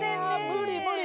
無理無理。